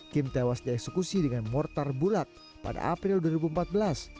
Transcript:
kim tewas dieksekusi dengan mortar bulat pada april dua ribu empat belas